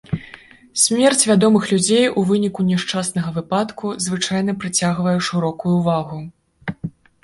Смерць вядомых людзей у выніку няшчаснага выпадку звычайна прыцягвае шырокую ўвагу.